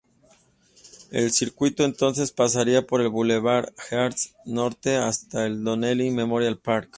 El circuito entonces pasaría por el Boulevard East norte hasta el Donnelly Memorial Park.